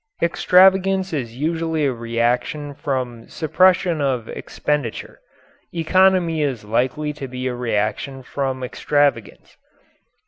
Extravagance is usually a reaction from suppression of expenditure. Economy is likely to be a reaction from extravagance.